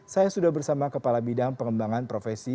saya sudah bersama kepala bidang pengembangan profesi